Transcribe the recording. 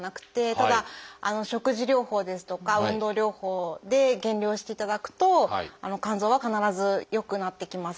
ただ食事療法ですとか運動療法で減量していただくと肝臓は必ず良くなってきます。